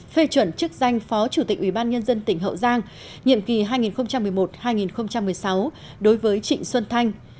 phê chuẩn chức danh phó chủ tịch ủy ban nhân dân tỉnh hậu giang nhiệm kỳ hai nghìn một mươi một hai nghìn một mươi sáu đối với trịnh xuân thanh